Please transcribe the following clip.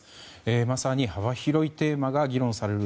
まさに幅広いテーマが議論される